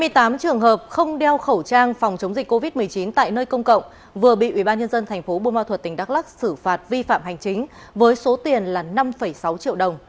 hai mươi tám trường hợp không đeo khẩu trang phòng chống dịch covid một mươi chín tại nơi công cộng vừa bị ubnd tp bpmt đắc lắc xử phạt vi phạm hành chính với số tiền là năm sáu triệu đồng